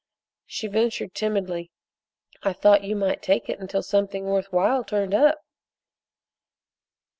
She ventured timidly: "I thought you might take it until something worth while turned up."